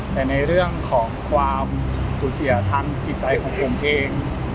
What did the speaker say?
แต่ในเรื่องของความสูญเสียทางจิตใจของผมเอง